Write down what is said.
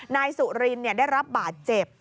นายสุรินได้รับบาดเจ็บ